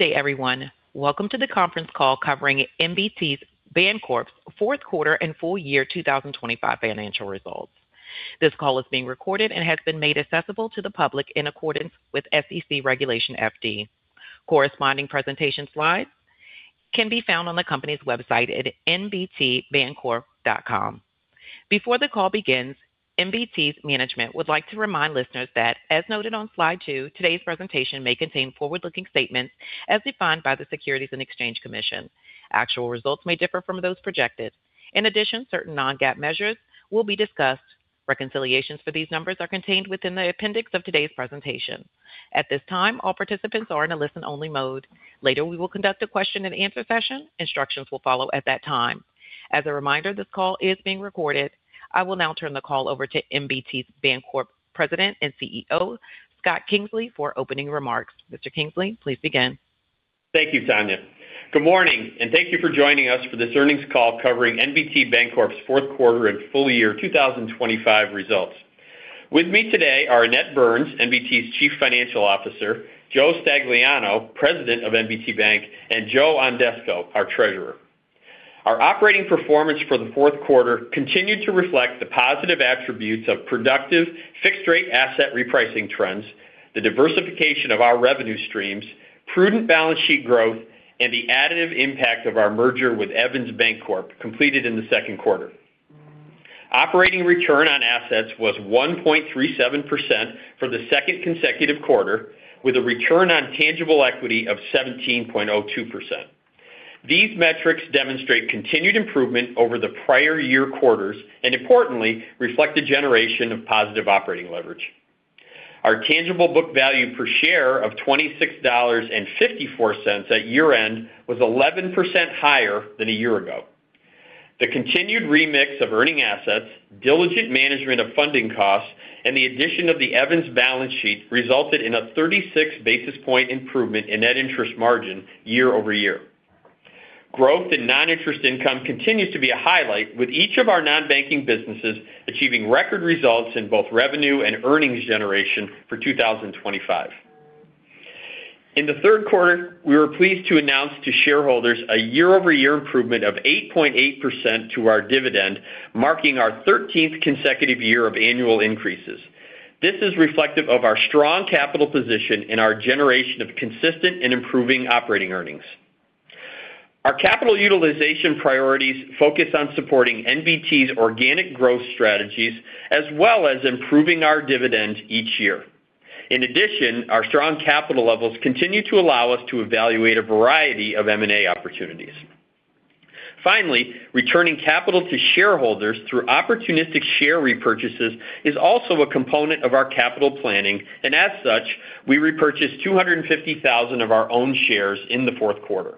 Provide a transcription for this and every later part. Good day, everyone. Welcome to the conference call covering NBT Bancorp's Fourth Quarter and Full Year 2025 Financial Results. This call is being recorded and has been made accessible to the public in accordance with SEC Regulation FD. Corresponding presentation slides can be found on the company's website at nbtbancorp.com. Before the call begins, NBT's management would like to remind listeners that, as noted on slide two, today's presentation may contain forward-looking statements as defined by the Securities and Exchange Commission. Actual results may differ from those projected. In addition, certain non-GAAP measures will be discussed. Reconciliations for these numbers are contained within the appendix of today's presentation. At this time, all participants are in a listen-only mode. Later, we will conduct a question-and-answer session. Instructions will follow at that time. As a reminder, this call is being recorded. I will now turn the call over to NBT Bancorp's President and CEO, Scott Kingsley, for opening remarks. Mr. Kingsley, please begin. Thank you, Tanya. Good morning, and thank you for joining us for this earnings call covering NBT Bancorp's fourth quarter and full year 2025 results. With me today are Annette Burns, NBT's Chief Financial Officer, Joe Stagliano, President of NBT Bank, and Joe Ondesko, our Treasurer. Our operating performance for the fourth quarter continued to reflect the positive attributes of productive fixed-rate asset repricing trends, the diversification of our revenue streams, prudent balance sheet growth, and the additive impact of our merger with Evans Bancorp, completed in the second quarter. Operating return on assets was 1.37% for the second consecutive quarter, with a return on tangible equity of 17.02%. These metrics demonstrate continued improvement over the prior year quarters and, importantly, reflect the generation of positive operating leverage. Our tangible book value per share of $26.54 at year-end was 11% higher than a year ago. The continued remix of earning assets, diligent management of funding costs, and the addition of the Evans balance sheet resulted in a 36 basis point improvement in net interest margin year-over-year. Growth in non-interest income continues to be a highlight, with each of our non-banking businesses achieving record results in both revenue and earnings generation for 2025. In the third quarter, we were pleased to announce to shareholders a year-over-year improvement of 8.8% to our dividend, marking our thirteenth consecutive year of annual increases. This is reflective of our strong capital position and our generation of consistent and improving operating earnings. Our capital utilization priorities focus on supporting NBT's organic growth strategies, as well as improving our dividend each year. In addition, our strong capital levels continue to allow us to evaluate a variety of M&A opportunities. Finally, returning capital to shareholders through opportunistic share repurchases is also a component of our capital planning, and as such, we repurchased 250,000 of our own shares in the fourth quarter.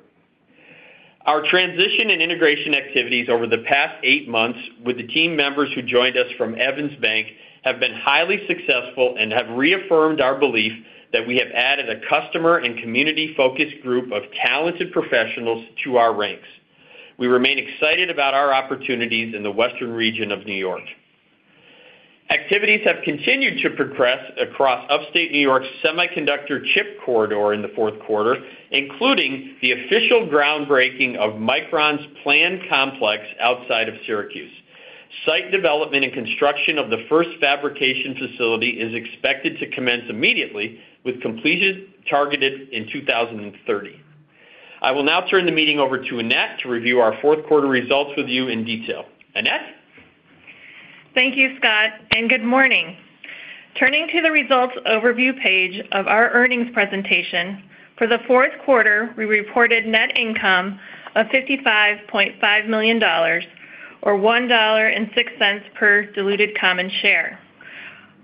Our transition and integration activities over the past eight months with the team members who joined us from Evans Bank have been highly successful and have reaffirmed our belief that we have added a customer and community-focused group of talented professionals to our ranks. We remain excited about our opportunities in the Western New York. Activities have continued to progress across Upstate New York's semiconductor chip corridor in the fourth quarter, including the official groundbreaking of Micron's planned complex outside of Syracuse. Site development and construction of the first fabrication facility is expected to commence immediately, with completion targeted in 2030. I will now turn the meeting over to Annette to review our fourth quarter results with you in detail. Annette? Thank you, Scott, and good morning. Turning to the results overview page of our earnings presentation, for the fourth quarter, we reported net income of $55.5 million or $1.06 per diluted common share.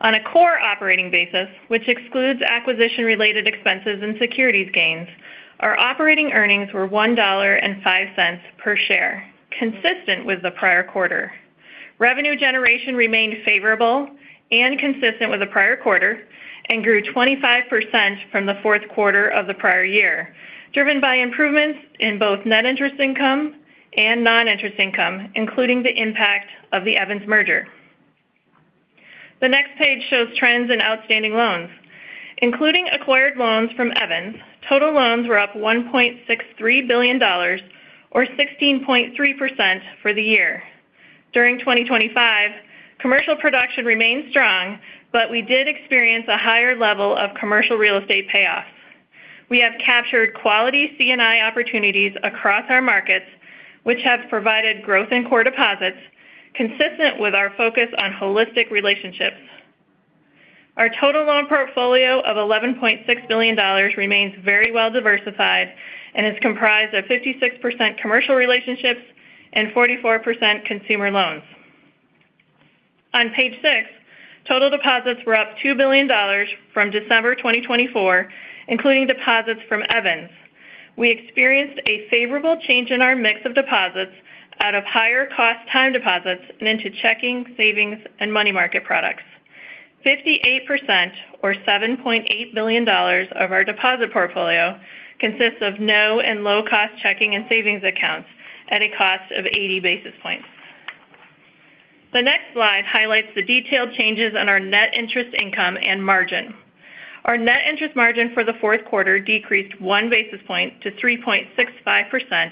On a core operating basis, which excludes acquisition-related expenses and securities gains, our operating earnings were $1.05 per share, consistent with the prior quarter. Revenue generation remained favorable and consistent with the prior quarter and grew 25% from the fourth quarter of the prior year, driven by improvements in both net interest income and non-interest income, including the impact of the Evans merger. The next page shows trends in outstanding loans. Including acquired loans from Evans, total loans were up $1.63 billion or 16.3% for the year. During 2025, commercial production remained strong, but we did experience a higher level of commercial real estate payoffs. We have captured quality C&I opportunities across our markets, which have provided growth in core deposits consistent with our focus on holistic relationships. Our total loan portfolio of $11.6 billion remains very well diversified and is comprised of 56% commercial relationships and 44% consumer loans. On page six, total deposits were up $2 billion from December 2024, including deposits from Evans. We experienced a favorable change in our mix of deposits out of higher cost time deposits and into checking, savings, and money market products. 58% or $7.8 billion of our deposit portfolio consists of no- and low-cost checking and savings accounts at a cost of 80 basis points. The next slide highlights the detailed changes on our net interest income and margin. Our net interest margin for the fourth quarter decreased 1 basis point to 3.65%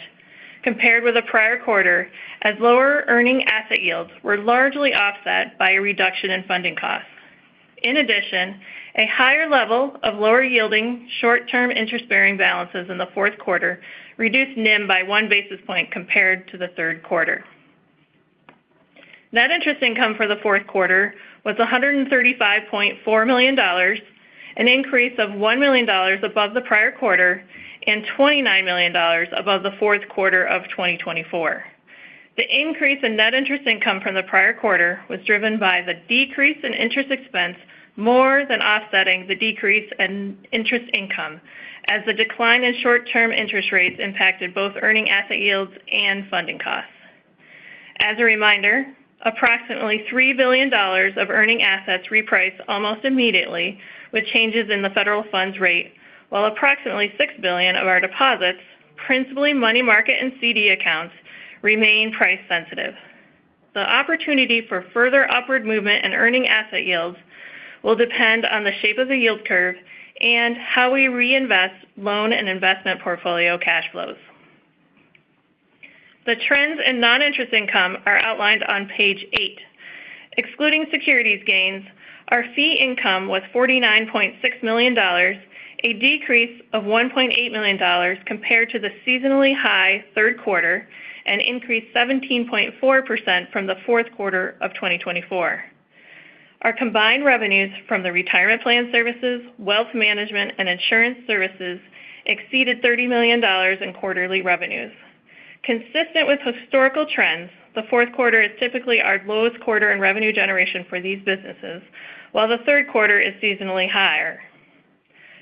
compared with the prior quarter, as lower earning asset yields were largely offset by a reduction in funding costs. In addition, a higher level of lower yielding, short-term interest bearing balances in the fourth quarter reduced NIM by 1 basis point compared to the third quarter. Net interest income for the fourth quarter was $135.4 million, an increase of $1 million above the prior quarter, and $29 million above the fourth quarter of 2024. The increase in net interest income from the prior quarter was driven by the decrease in interest expense, more than offsetting the decrease in interest income, as the decline in short-term interest rates impacted both earning asset yields and funding costs. As a reminder, approximately $3 billion of earning assets reprice almost immediately, with changes in the Federal Funds Rate, while approximately $6 billion of our deposits, principally money market and CD accounts, remain price sensitive. The opportunity for further upward movement in earning asset yields will depend on the shape of the yield curve and how we reinvest loan and investment portfolio cash flows. The trends in non-interest income are outlined on page eight. Excluding securities gains, our fee income was $49.6 million, a decrease of $1.8 million compared to the seasonally high third quarter, and increased 17.4% from the fourth quarter of 2024. Our combined revenues from the retirement plan services, wealth management, and insurance services exceeded $30 million in quarterly revenues. Consistent with historical trends, the fourth quarter is typically our lowest quarter in revenue generation for these businesses, while the third quarter is seasonally higher.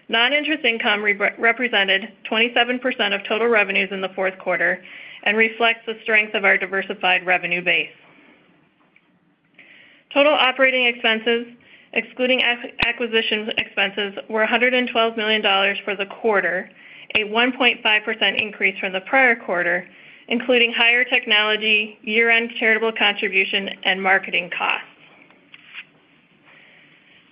Non-interest income represented 27% of total revenues in the fourth quarter and reflects the strength of our diversified revenue base. Total operating expenses, excluding acquisition expenses, were $112 million for the quarter, a 1.5% increase from the prior quarter, including higher technology, year-end charitable contribution, and marketing costs.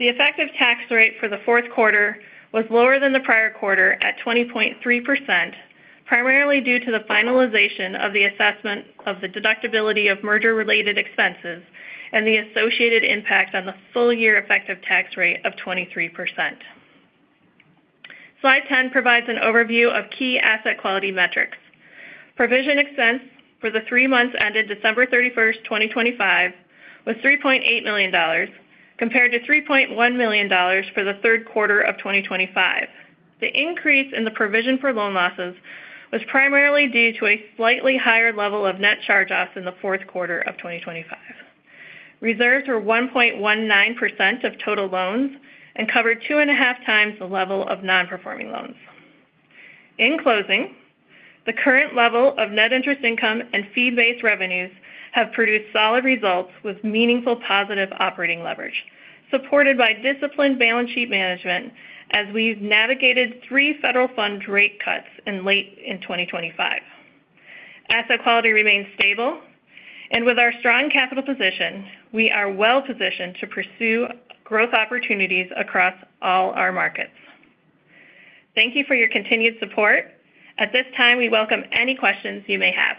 The effective tax rate for the fourth quarter was lower than the prior quarter at 20.3%, primarily due to the finalization of the assessment of the deductibility of merger-related expenses and the associated impact on the full year effective tax rate of 23%. Slide 10 provides an overview of key asset quality metrics. Provision expense for the three months ended December 31st, 2025, was $3.8 million, compared to $3.1 million for the third quarter of 2025. The increase in the provision for loan losses was primarily due to a slightly higher level of net charge-offs in the fourth quarter of 2025. Reserves were 1.19% of total loans and covered 2.5 times the level of non-performing loans. In closing, the current level of net interest income and fee-based revenues have produced solid results with meaningful positive operating leverage, supported by disciplined balance sheet management as we've navigated three Federal Funds Rate cuts in late 2025. Asset quality remains stable, and with our strong capital position, we are well positioned to pursue growth opportunities across all our markets. Thank you for your continued support. At this time, we welcome any questions you may have.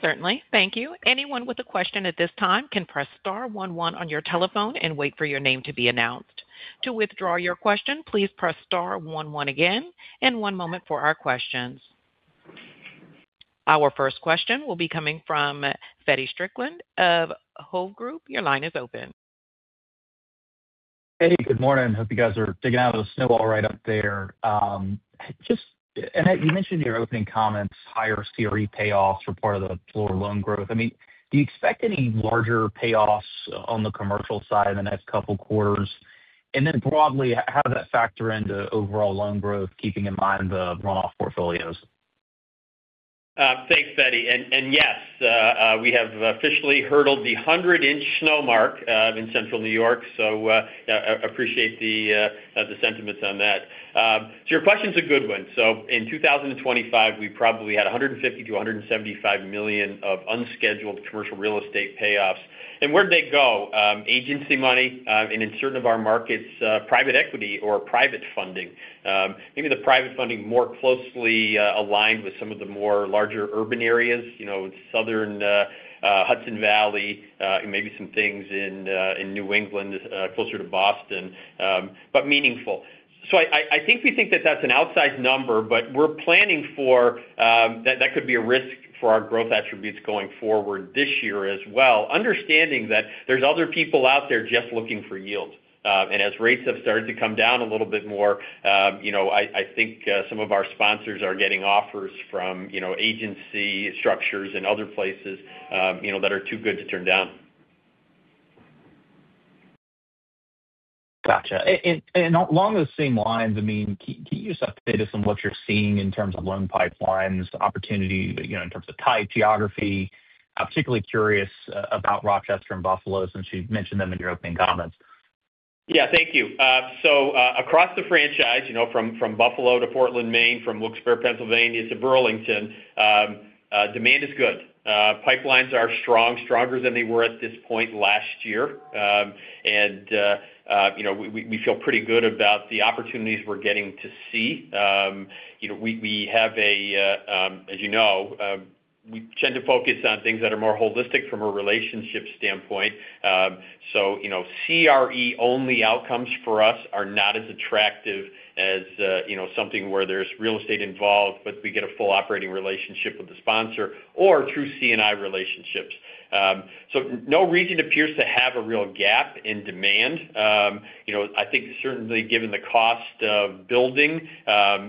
Certainly. Thank you. Anyone with a question at this time can press star one one on your telephone and wait for your name to be announced. To withdraw your question, please press star one one again, and one moment for our questions. Our first question will be coming from Feddie Strickland of Hovde Group. Your line is open. Hey, good morning. Hope you guys are digging out of the snowball right up there. Just, Annette, you mentioned in your opening comments, higher CRE payoffs were part of the slower loan growth. I mean, do you expect any larger payoffs on the commercial side in the next couple quarters? And then broadly, how does that factor into overall loan growth, keeping in mind the run-off portfolios? Thanks, Feddie. And yes, we have officially hurdled the 100-inch snow mark in Central New York, so I appreciate the sentiments on that. So your question is a good one. So in 2025, we probably had $150 million-$175 million of unscheduled commercial real estate payoffs. And where'd they go? Agency money, and in certain of our markets, private equity or private funding. Maybe the private funding more closely aligned with some of the more larger urban areas, you know, southern Hudson Valley, and maybe some things in New England closer to Boston, but meaningful. So I think we think that that's an outsized number, but we're planning for that could be a risk for our growth attributes going forward this year as well, understanding that there's other people out there just looking for yield. And as rates have started to come down a little bit more, you know, I think some of our sponsors are getting offers from, you know, agency structures and other places, you know, that are too good to turn down. Gotcha. Along those same lines, I mean, can you just update us on what you're seeing in terms of loan pipelines, opportunity, you know, in terms of type, geography? I'm particularly curious about Rochester and Buffalo, since you've mentioned them in your opening comments. Yeah, thank you. So, across the franchise, you know, from, from Buffalo to Portland, Maine, from Wilkes-Barre, Pennsylvania, to Burlington, demand is good. Pipelines are strong, stronger than they were at this point last year. And, you know, we, we feel pretty good about the opportunities we're getting to see. You know, we, we have a, as you know, we tend to focus on things that are more holistic from a relationship standpoint. So, you know, CRE-only outcomes for us are not as attractive as, you know, something where there's real estate involved, but we get a full operating relationship with the sponsor or through C&I relationships. So no region appears to have a real gap in demand. You know, I think certainly given the cost of building,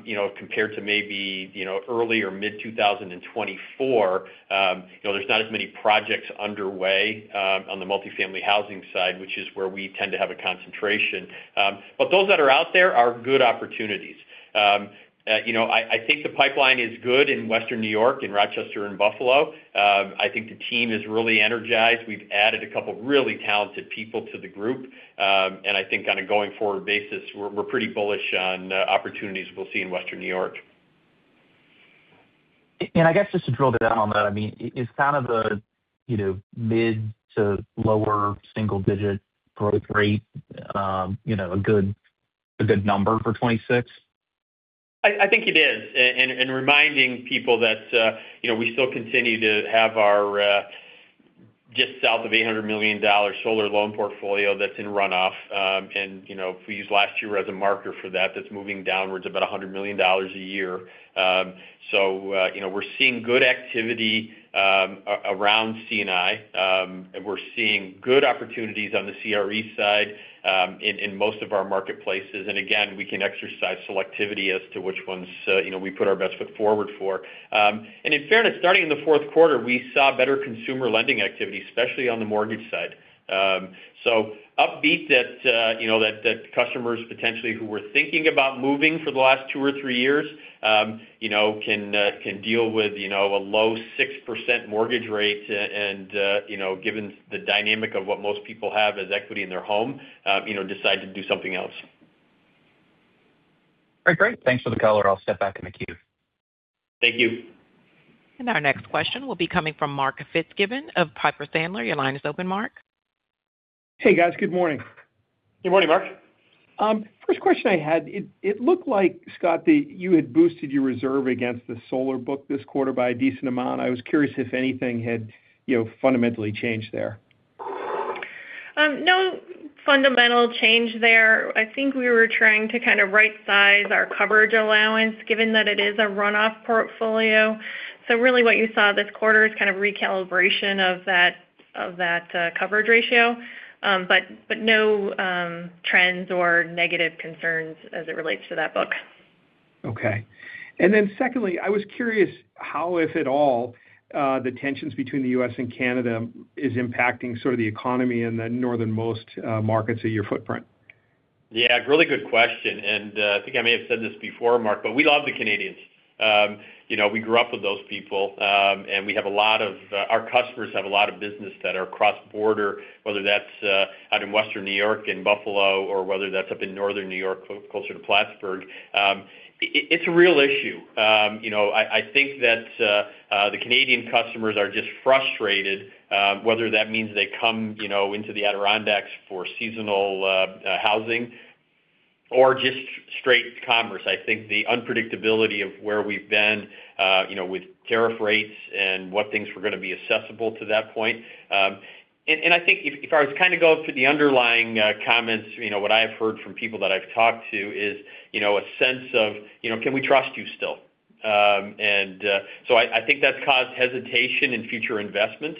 you know, compared to maybe, you know, early or mid-2024, you know, there's not as many projects underway, on the multifamily housing side, which is where we tend to have a concentration. But those that are out there are good opportunities. You know, I think the pipeline is good in Western New York, in Rochester and Buffalo. I think the team is really energized. We've added a couple of really talented people to the group. And I think on a going-forward basis, we're pretty bullish on, opportunities we'll see in Western New York. I guess just to drill down on that, I mean, is kind of the, you know, mid- to lower single-digit growth rate, you know, a good, a good number for 2026? I think it is. And reminding people that, you know, we still continue to have our, just south of $800 million solar loan portfolio that's in run-off. And, you know, if we use last year as a marker for that, that's moving downwards about $100 million a year. So, you know, we're seeing good activity around C&I. And we're seeing good opportunities on the CRE side, in most of our marketplaces. And again, we can exercise selectivity as to which ones, you know, we put our best foot forward for. And in fairness, starting in the fourth quarter, we saw better consumer lending activity, especially on the mortgage side. So upbeat that, you know, customers potentially who were thinking about moving for the last two or three years, you know, can deal with, you know, a low 6% mortgage rate, and, you know, given the dynamic of what most people have as equity in their home, you know, decide to do something else. All right, great! Thanks for the color. I'll step back in the queue. Thank you. Our next question will be coming from Mark Fitzgibbon of Piper Sandler. Your line is open, Mark. Hey, guys. Good morning. Good morning, Mark. First question I had, it looked like, Scott, that you had boosted your reserve against the solar book this quarter by a decent amount. I was curious if anything had, you know, fundamentally changed there? No fundamental change there. I think we were trying to kind of rightsize our coverage allowance, given that it is a run-off portfolio. So really what you saw this quarter is kind of recalibration of that, of that, coverage ratio. But, but no, trends or negative concerns as it relates to that book. Okay. And then secondly, I was curious how, if at all, the tensions between the U.S. and Canada is impacting sort of the economy in the northernmost markets of your footprint? Yeah, really good question, and I think I may have said this before, Mark, but we love the Canadians. You know, we grew up with those people, and we have a lot of our customers have a lot of business that are cross-border, whether that's out in Western New York and Buffalo or whether that's up in Northern New York, closer to Plattsburgh. It's a real issue. You know, I think that the Canadian customers are just frustrated, whether that means they come, you know, into the Adirondacks for seasonal housing or just straight commerce. I think the unpredictability of where we've been, you know, with tariff rates and what things were gonna be accessible to that point. And I think if I was to kind of go to the underlying comments, you know, what I have heard from people that I've talked to is, you know, a sense of, you know, "Can we trust you still?" And so I think that's caused hesitation in future investments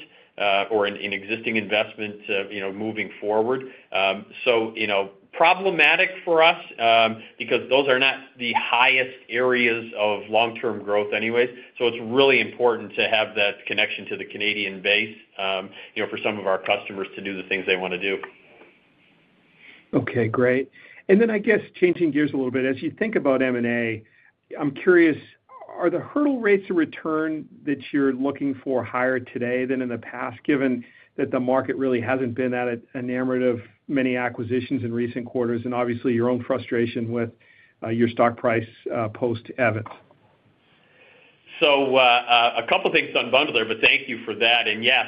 or in existing investments, you know, moving forward. So, you know, problematic for us, because those are not the highest areas of long-term growth anyways. So it's really important to have that connection to the Canadian base, you know, for some of our customers to do the things they want to do. Okay, great. And then, I guess, changing gears a little bit. As you think about M&A, I'm curious, are the hurdle rates of return that you're looking for higher today than in the past, given that the market really hasn't been at an enamored of many acquisitions in recent quarters, and obviously your own frustration with your stock price post Evans? So, a couple things unbundled there, but thank you for that. And yes,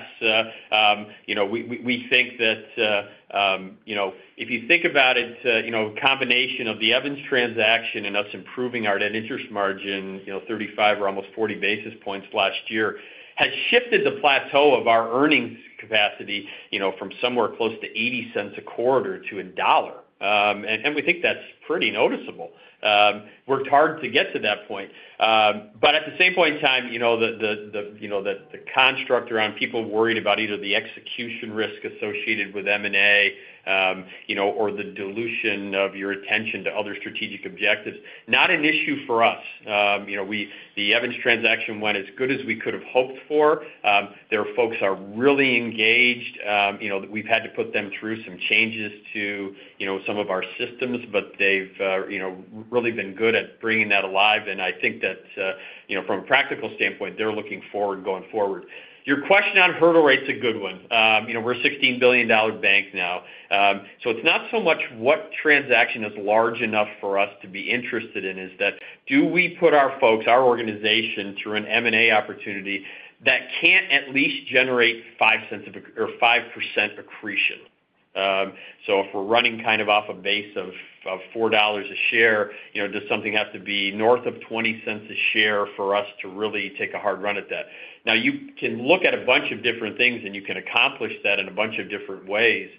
you know, we think that, you know, if you think about it, you know, combination of the Evans transaction and us improving our net interest margin, you know, 35 or almost 40 basis points last year, has shifted the plateau of our earnings capacity, you know, from somewhere close to $0.80 a quarter to a dollar. And we think that's pretty noticeable. Worked hard to get to that point. But at the same point in time, you know, the construct around people worried about either the execution risk associated with M&A, you know, or the dilution of your attention to other strategic objectives, not an issue for us. You know, the Evans transaction went as good as we could have hoped for. Their folks are really engaged. You know, we've had to put them through some changes to, you know, some of our systems, but they've, you know, really been good at bringing that alive, and I think that, you know, from a practical standpoint, they're looking forward going forward. Your question on hurdle rate's a good one. You know, we're a $16 billion bank now. So it's not so much what transaction is large enough for us to be interested in, is that do we put our folks, our organization, through an M&A opportunity that can't at least generate $0.05 of accretion or 5% accretion? So if we're running kind of off a base of four dollars a share, you know, does something have to be north of twenty cents a share for us to really take a hard run at that? Now, you can look at a bunch of different things, and you can accomplish that in a bunch of different ways.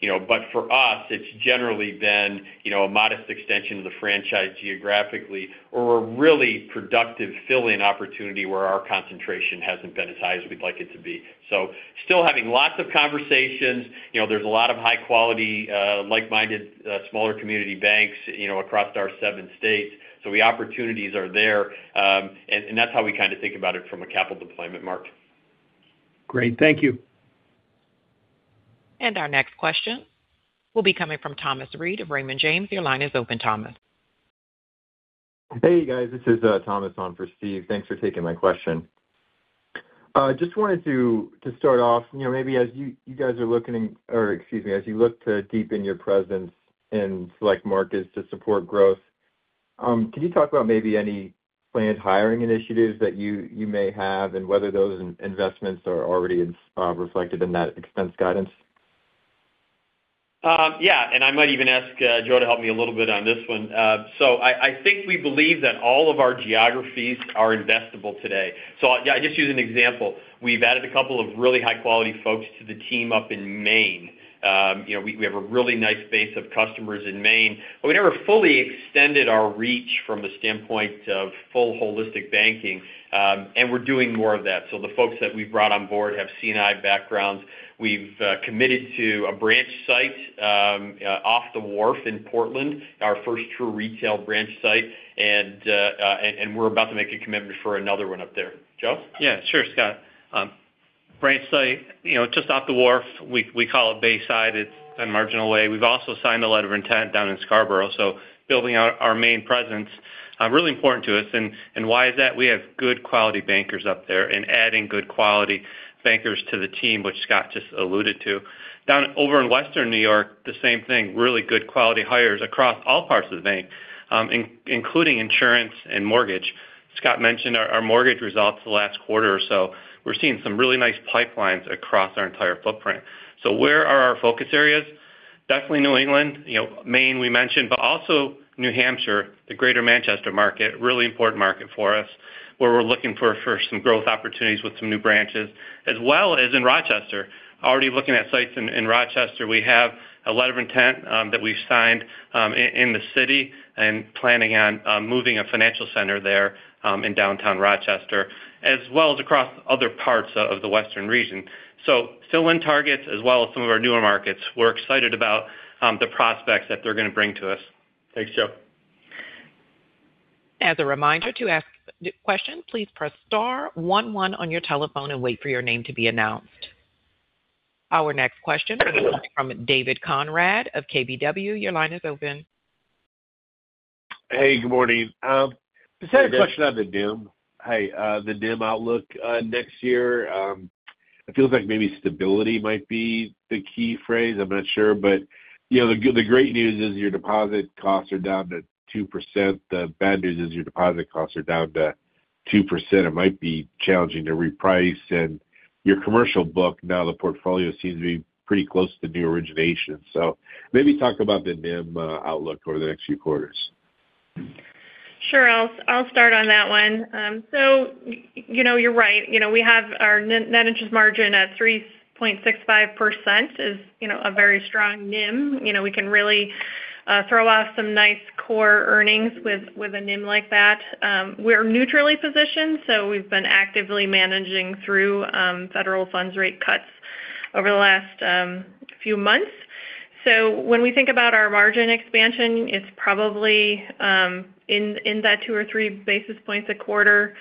You know, but for us, it's generally been, you know, a modest extension of the franchise geographically or a really productive fill-in opportunity where our concentration hasn't been as high as we'd like it to be. So still having lots of conversations. You know, there's a lot of high-quality like-minded smaller community banks, you know, across our seven states. So the opportunities are there, and that's how we kind of think about it from a capital deployment, Mark. Great. Thank you. Our next question will be coming from Thomas Reid of Raymond James. Your line is open, Thomas. Hey, guys, this is Thomas on for Steve. Thanks for taking my question. Just wanted to start off, you know, maybe as you guys are looking, or excuse me, as you look to deepen your presence in select markets to support growth, can you talk about maybe any planned hiring initiatives that you may have, and whether those investments are already reflected in that expense guidance? Yeah, and I might even ask Joe to help me a little bit on this one. So I think we believe that all of our geographies are investable today. So I'll just use an example. We've added a couple of really high-quality folks to the team up in Maine. You know, we have a really nice base of customers in Maine, but we never fully extended our reach from the standpoint of full holistic banking. And we're doing more of that. So the folks that we've brought on board have C&I backgrounds. We've committed to a branch site off the wharf in Portland, our first true retail branch site, and we're about to make a commitment for another one up there. Joe? Yeah, sure, Scott. Branch site, you know, just off the wharf, we call it Bayside. It's on Marginal Way. We've also signed a letter of intent down in Scarborough, so building out our main presence, really important to us. And why is that? We have good quality bankers up there and adding good quality bankers to the team, which Scott just alluded to. Down over in Western New York, the same thing, really good quality hires across all parts of the bank, including insurance and mortgage. Scott mentioned our mortgage results the last quarter or so. We're seeing some really nice pipelines across our entire footprint. So where are our focus areas? Definitely New England, you know, Maine, we mentioned, but also New Hampshire, the greater Manchester market, really important market for us, where we're looking for some growth opportunities with some new branches, as well as in Rochester. Already looking at sites in Rochester. We have a letter of intent that we've signed in the city and planning on moving a financial center there in downtown Rochester, as well as across other parts of the western region. So fill in targets as well as some of our newer markets. We're excited about the prospects that they're going to bring to us. Thanks, Joe. As a reminder, to ask questions, please press star one, one on your telephone and wait for your name to be announced. Our next question comes from David Konrad of KBW. Your line is open. Hey, good morning. Just had a question on the NIM- hey, the NIM outlook next year. It feels like maybe stability might be the key phrase. I'm not sure. But, you know, the great news is your deposit costs are down to 2%. The bad news is your deposit costs are down to 2%. It might be challenging to reprice. And your commercial book, now the portfolio seems to be pretty close to new origination. So maybe talk about the NIM outlook over the next few quarters. Sure, I'll start on that one. So, you know, you're right. You know, we have our net interest margin at 3.65% is, you know, a very strong NIM. You know, we can really throw off some nice core earnings with a NIM like that. We're neutrally positioned, so we've been actively managing through federal funds rate cuts over the last few months. So when we think about our margin expansion, it's probably in that 2 or 3 basis points a quarter.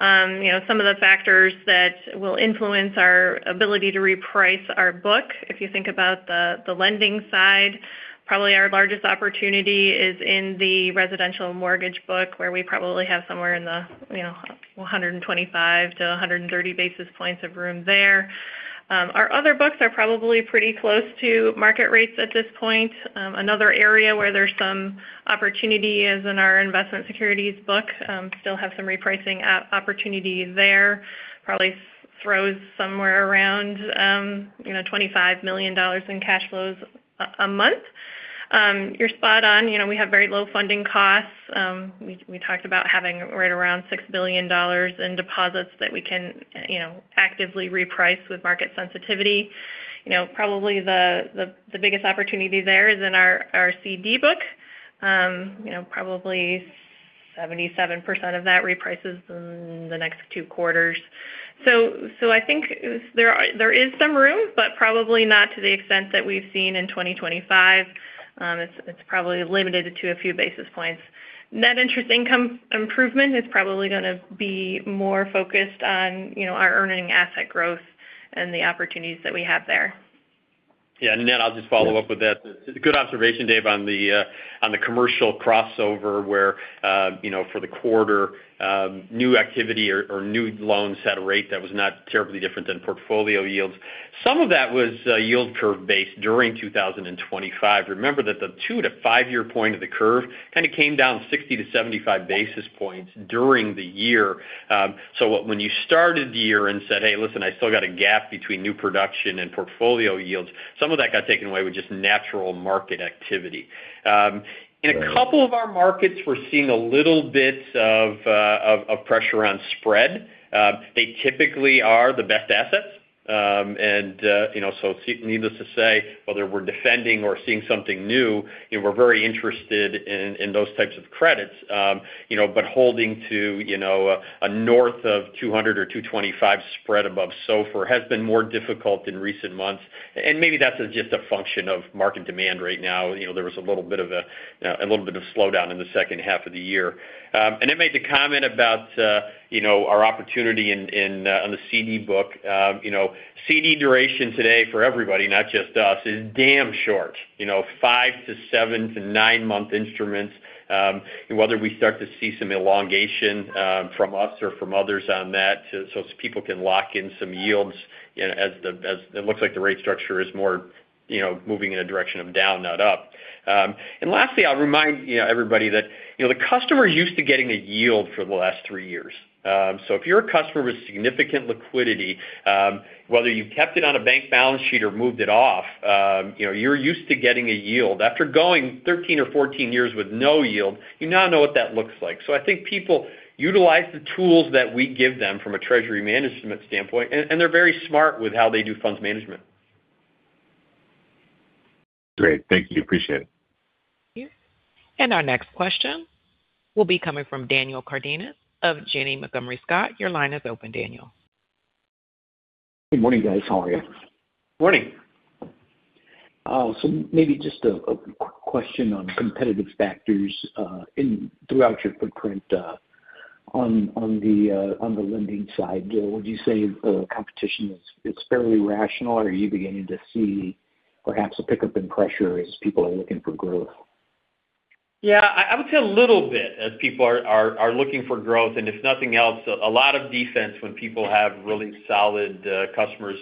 You know, some of the factors that will influence our ability to reprice our book, if you think about the lending side, probably our largest opportunity is in the residential mortgage book, where we probably have somewhere in the, you know, 125-130 basis points of room there. Our other books are probably pretty close to market rates at this point. Another area where there's some opportunity is in our investment securities book. Still have some repricing opportunity there. Probably throws somewhere around, you know, $25 million in cash flows a month. You're spot on, you know, we have very low funding costs. We talked about having right around $6 billion in deposits that we can, you know, actively reprice with market sensitivity. You know, probably the biggest opportunity there is in our CD book. You know, probably 77% of that reprices in the next two quarters. So, I think there is some room, but probably not to the extent that we've seen in 2025. It's probably limited to a few basis points. Net interest income improvement is probably going to be more focused on, you know, our earning asset growth and the opportunities that we have there. Yeah, and then I'll just follow up with that. It's a good observation, Dave, on the commercial crossover, where you know, for the quarter, new activity or new loans had a rate that was not terribly different than portfolio yields. Some of that was yield curve based during 2025. Remember that the two- to five-year point of the curve kind of came down 60-75 basis points during the year. So what when you started the year and said, "Hey, listen, I still got a gap between new production and portfolio yields," some of that got taken away with just natural market activity. In a couple of our markets, we're seeing a little bit of pressure on spread. They typically are the best assets. And, you know, so needless to say, whether we're defending or seeing something new, you know, we're very interested in those types of credits. You know, but holding to, you know, a north of 200 or 225 spread above SOFR has been more difficult in recent months. And maybe that's just a function of market demand right now. You know, there was a little bit of slowdown in the second half of the year. And I made the comment about, you know, our opportunity in on the CD book. You know, CD duration today for everybody, not just us, is damn short. You know, five- to seven- to nine-month instruments, and whether we start to see some elongation, from us or from others on that so people can lock in some yields, you know, as the, as it looks like the rate structure is more, you know, moving in a direction of down, not up. And lastly, I'll remind, you know, everybody that, you know, the customer is used to getting a yield for the last three years. So if you're a customer with significant liquidity, whether you've kept it on a bank balance sheet or moved it off, you know, you're used to getting a yield. After going 13 or 14 years with no yield, you now know what that looks like. I think people utilize the tools that we give them from a treasury management standpoint, and they're very smart with how they do funds management. Great. Thank you. Appreciate it. Our next question will be coming from Daniel Cardenas of Janney Montgomery Scott. Your line is open, Daniel. Good morning, guys. How are you? Morning. So maybe just a question on competitive factors throughout your footprint on the lending side. Would you say competition is fairly rational, or are you beginning to see perhaps a pickup in pressure as people are looking for growth? Yeah, I would say a little bit as people are looking for growth, and if nothing else, a lot of defense when people have really solid customers,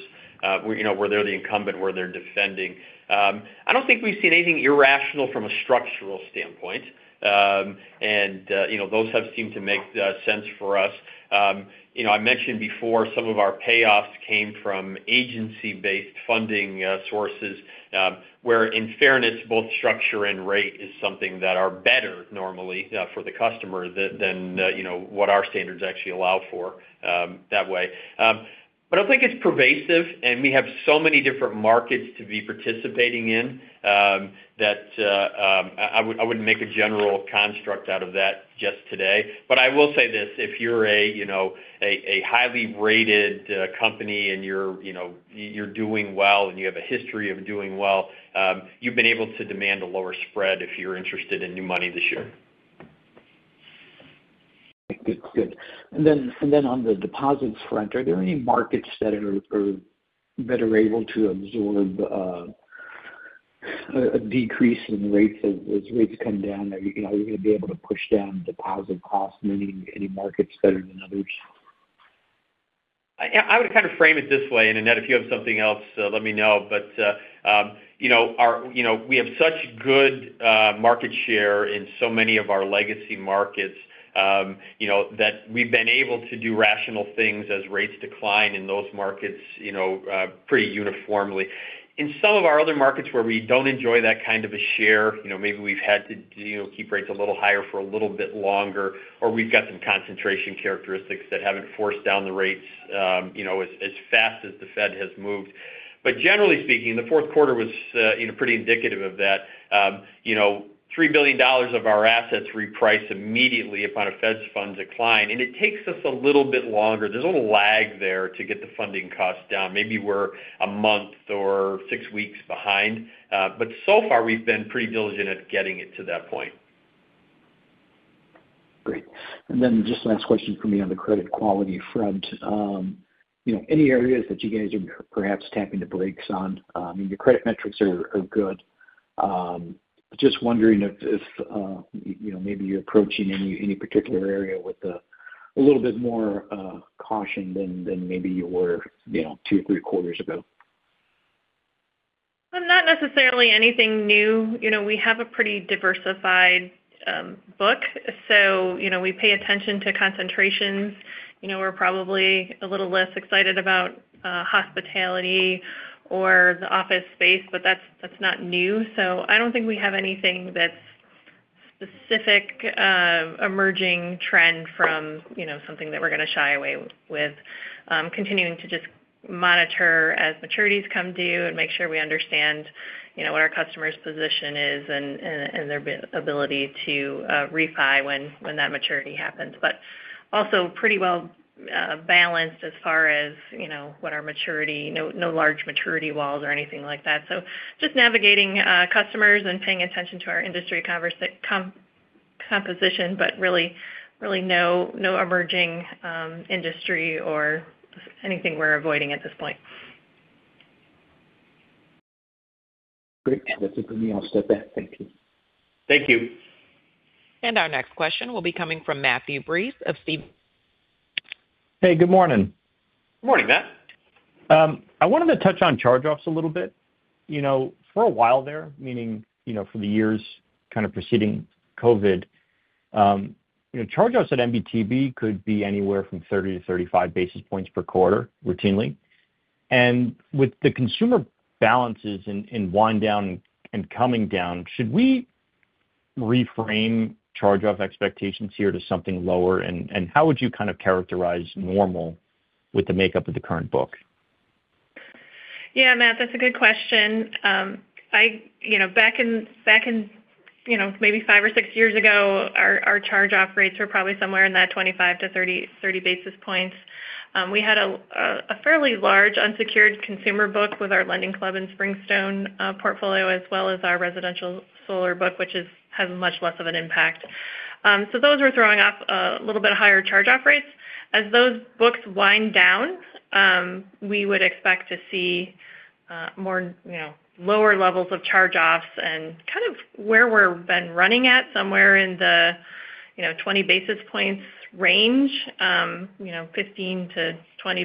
where you know where they're the incumbent, where they're defending. I don't think we've seen anything irrational from a structural standpoint. And you know those have seemed to make sense for us. You know, I mentioned before, some of our payoffs came from agency-based funding sources, where in fairness, both structure and rate is something that are better normally for the customer than you know what our standards actually allow for that way. But I think it's pervasive, and we have so many different markets to be participating in that I wouldn't make a general construct out of that just today. But I will say this: if you're a, you know, highly rated company and you're, you know, you're doing well and you have a history of doing well, you've been able to demand a lower spread if you're interested in new money this year. Good. Good. And then on the deposits front, are there any markets that are able to absorb a decrease in rates as rates come down? Are you gonna be able to push down deposit costs in any markets better than others? I would kind of frame it this way, and Annette, if you have something else, let me know. But, you know, our you know, we have such good market share in so many of our legacy markets, you know, that we've been able to do rational things as rates decline in those markets, you know, pretty uniformly. In some of our other markets, where we don't enjoy that kind of a share, you know, maybe we've had to, you know, keep rates a little higher for a little bit longer, or we've got some concentration characteristics that haven't forced down the rates, you know, as fast as the Fed has moved. But generally speaking, the fourth quarter was, you know, pretty indicative of that. You know, $3 billion of our assets reprice immediately upon a Fed funds decline, and it takes us a little bit longer. There's a little lag there to get the funding costs down. Maybe we're a month or six weeks behind, but so far, we've been pretty diligent at getting it to that point. Great. And then just last question for me on the credit quality front. You know, any areas that you guys are perhaps tapping the brakes on? Your credit metrics are good. Just wondering if, you know, maybe you're approaching any particular area with a little bit more caution than maybe you were, you know, two, three quarters ago. Not necessarily anything new. You know, we have a pretty diversified book, so you know, we pay attention to concentrations. You know, we're probably a little less excited about hospitality or the office space, but that's not new. So I don't think we have anything that's specific emerging trend from something that we're gonna shy away with. Continuing to just monitor as maturities come due and make sure we understand what our customer's position is and their ability to refi when that maturity happens. But also pretty well balanced as far as what our maturity... No large maturity walls or anything like that. So just navigating customers and paying attention to our industry composition, but really no emerging industry or anything we're avoiding at this point. Great, that's it for me. I'll step back. Thank you. Thank you. Our next question will be coming from Matthew Breese of Stephens- Hey, good morning. Good morning, Matt. I wanted to touch on charge-offs a little bit. You know, for a while there, meaning, you know, for the years kind of preceding COVID, you know, charge-offs at NBTB could be anywhere from 30-35 basis points per quarter routinely. And with the consumer balances in wind down and coming down, should we reframe charge-off expectations here to something lower? And how would you kind of characterize normal with the makeup of the current book? Yeah, Matt, that's a good question. I you know, back in, back in, you know, maybe five or six years ago, our, our charge-off rates were probably somewhere in that 25-30 basis points. We had a fairly large unsecured consumer book with our LendingClub and Springstone portfolio, as well as our residential solar book, which has much less of an impact. So those were throwing off a little bit higher charge-off rates. As those books wind down, we would expect to see more, you know, lower levels of charge-offs and kind of where we're been running at, somewhere in the, you know, 20 basis points range, you know, 15-20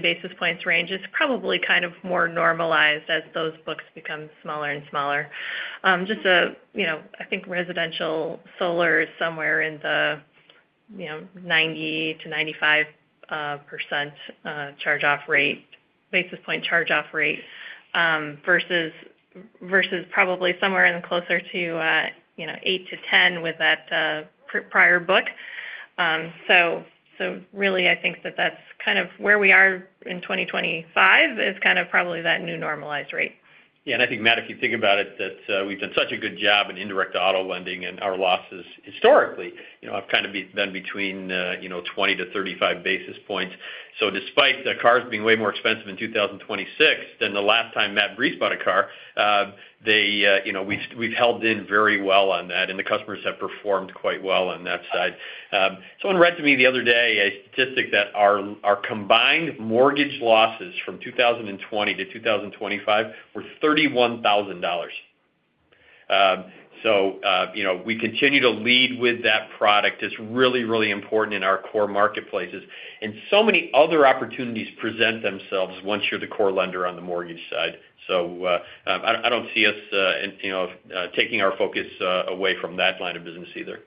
basis points range. It's probably kind of more normalized as those books become smaller and smaller. Just a, you know, I think residential solar is somewhere in the, you know, 90%-95% charge-off rate, basis point charge-off rate, versus probably somewhere in the closer to, you know, 8-10 with that, prior book. So really, I think that that's kind of where we are in 2025, is kind of probably that new normalized rate. Yeah, and I think, Matt, if you think about it, that we've done such a good job in indirect auto lending and our losses historically, you know, have kind of been between, you know, 20-35 basis points. So despite the cars being way more expensive in 2026 than the last time Matt Breese bought a car, they you know we've held in very well on that, and the customers have performed quite well on that side. Someone read to me the other day a statistic that our combined mortgage losses from 2020 to 2025 were $31,000. So, you know, we continue to lead with that product. It's really, really important in our core marketplaces. And so many other opportunities present themselves once you're the core lender on the mortgage side. So, I don't see us, you know, taking our focus away from that line of business either.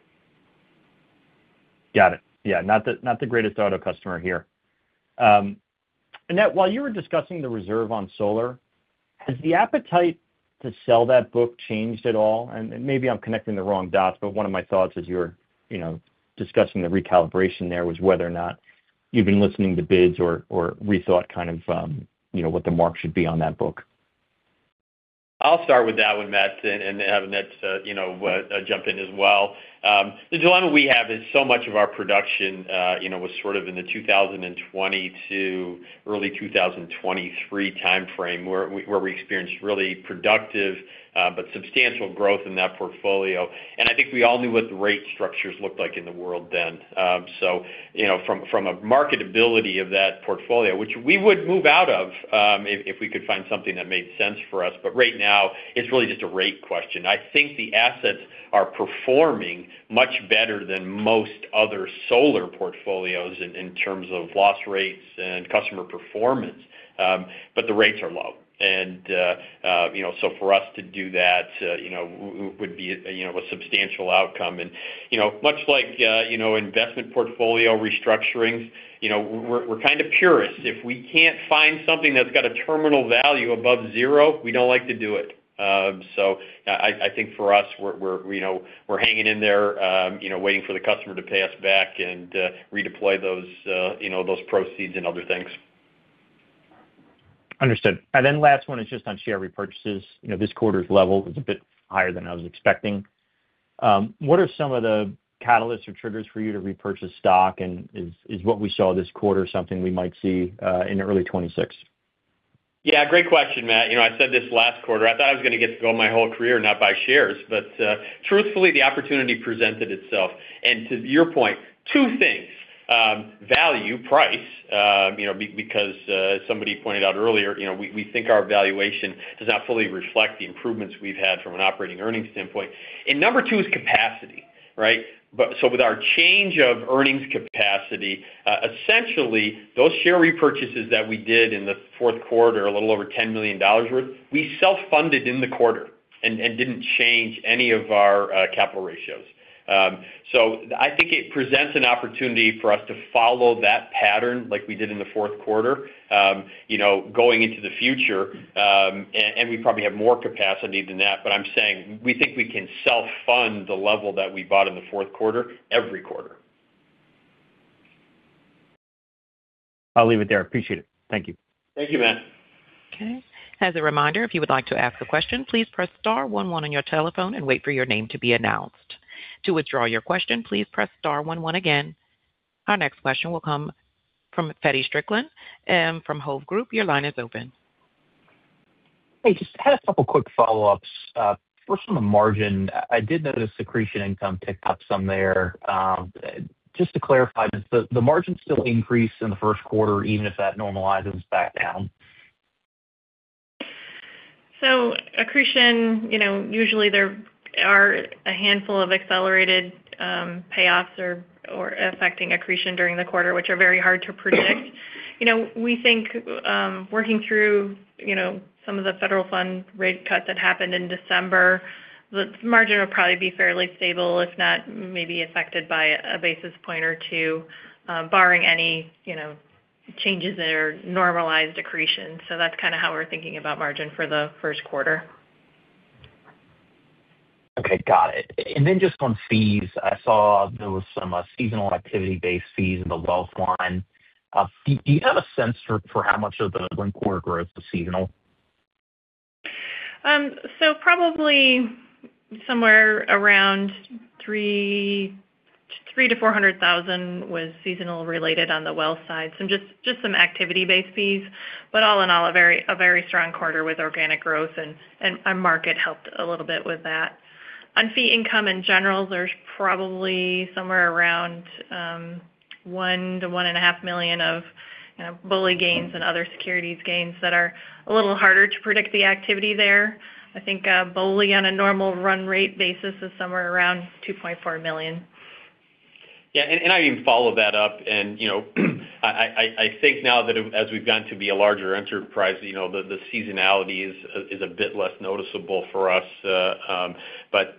Got it. Yeah, not the greatest auto customer here. Annette, while you were discussing the reserve on solar, has the appetite to sell that book changed at all? And maybe I'm connecting the wrong dots, but one of my thoughts as you were, you know, discussing the recalibration there was whether or not you've been listening to bids or rethought kind of, you know, what the mark should be on that book. I'll start with that one, Matt, and have Annette, you know, jump in as well. The dilemma we have is so much of our production, you know, was sort of in the 2020 to early 2023 timeframe, where we experienced really productive, but substantial growth in that portfolio. I think we all knew what the rate structures looked like in the world then. You know, from a marketability of that portfolio, which we would move out of, if we could find something that made sense for us, but right now, it's really just a rate question. I think the assets are performing much better than most other solar portfolios in terms of loss rates and customer performance, but the rates are low. And, you know, so for us to do that, you know, would be, you know, a substantial outcome. And, you know, much like, you know, investment portfolio restructurings, you know, we're kind of purists. If we can't find something that's got a terminal value above zero, we don't like to do it. So I think for us, we're, you know, we're hanging in there, you know, waiting for the customer to pay us back and redeploy those, you know, those proceeds and other things. Understood. And then last one is just on share repurchases. You know, this quarter's level was a bit higher than I was expecting. What are some of the catalysts or triggers for you to repurchase stock, and is, is what we saw this quarter something we might see in early 2026? Yeah, great question, Matt. You know, I said this last quarter, I thought I was going to get to go my whole career and not buy shares. But truthfully, the opportunity presented itself. And to your point, two things: value, price, you know, because somebody pointed out earlier, you know, we think our valuation does not fully reflect the improvements we've had from an operating earnings standpoint. And number two is capacity, right? But so with our change of earnings capacity, essentially, those share repurchases that we did in the fourth quarter, a little over $10 million worth, we self-funded in the quarter and didn't change any of our capital ratios. So I think it presents an opportunity for us to follow that pattern like we did in the fourth quarter, you know, going into the future, and we probably have more capacity than that. But I'm saying, we think we can self-fund the level that we bought in the fourth quarter, every quarter. I'll leave it there. Appreciate it. Thank you. Thank you, Matt. Okay. As a reminder, if you would like to ask a question, please press star one one on your telephone and wait for your name to be announced. To withdraw your question, please press star one one again. Our next question will come from Feddie Strickland from Hovde Group. Your line is open. Hey, just had a couple quick follow-ups. First on the margin, I did notice accretion income ticked up some there. Just to clarify, does the, the margin still increase in the first quarter, even if that normalizes back down? So accretion, you know, usually there are a handful of accelerated payoffs or, or affecting accretion during the quarter, which are very hard to predict. You know, we think, working through, you know, some of the Federal Funds Rate cuts that happened in December, the margin will probably be fairly stable, if not maybe affected by a basis point or two, barring any, you know, changes that are normalized accretion. So that's kind of how we're thinking about margin for the first quarter. Okay, got it. And then just on fees, I saw there was some seasonal activity-based fees in the wealth line. Do you have a sense for how much of the loan quarter growth was seasonal? So, probably somewhere around $300,000-$400,000 was seasonal related on the wealth side. Some just some activity-based fees, but all in all, a very strong quarter with organic growth, and our market helped a little bit with that. On fee income, in general, there's probably somewhere around $1 million-$1.5 million of, you know, BOLI gains and other securities gains that are a little harder to predict the activity there. I think, BOLI, on a normal run rate basis, is somewhere around $2.4 million. Yeah, and I even follow that up, and, you know, I think now that as we've gotten to be a larger enterprise, you know, the seasonality is a bit less noticeable for us. But,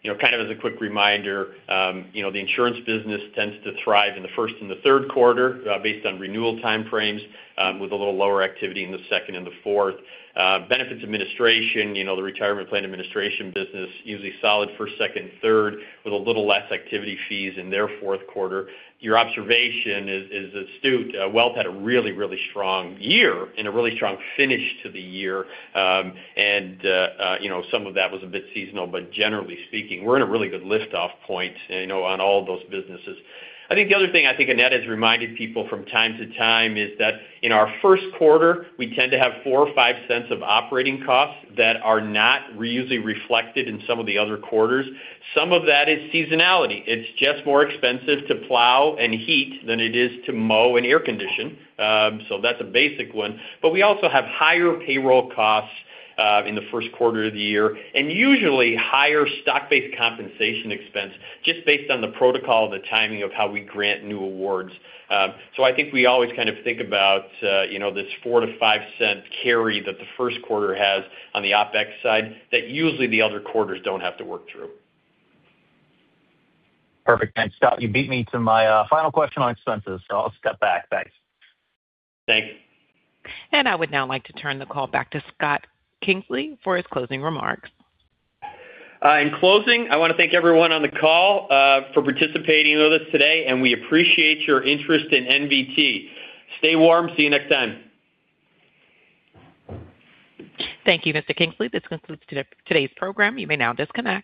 you know, kind of as a quick reminder, you know, the insurance business tends to thrive in the first and the third quarter, based on renewal time frames, with a little lower activity in the second and the fourth. Benefits administration, you know, the retirement plan administration business, usually solid first, second, third, with a little less activity fees in their fourth quarter. Your observation is astute. Wealth had a really, really strong year and a really strong finish to the year. And, you know, some of that was a bit seasonal, but generally speaking, we're in a really good lift-off point, you know, on all those businesses. I think the other thing I think Annette has reminded people from time to time is that in our first quarter, we tend to have $0.04 or $0.05 of operating costs that are not usually reflected in some of the other quarters. Some of that is seasonality. It's just more expensive to plow and heat than it is to mow and air condition. So that's a basic one. But we also have higher payroll costs in the first quarter of the year, and usually higher stock-based compensation expense, just based on the protocol and the timing of how we grant new awards. I think we always kind of think about, you know, this $0.04-$0.05 carry that the first quarter has on the OpEx side, that usually the other quarters don't have to work through. Perfect. Thanks, Scott. You beat me to my final question on expenses, so I'll step back. Thanks. Thanks. I would now like to turn the call back to Scott Kingsley for his closing remarks. In closing, I want to thank everyone on the call for participating with us today, and we appreciate your interest in NBT. Stay warm. See you next time. Thank you, Mr. Kingsley. This concludes today's program. You may now disconnect.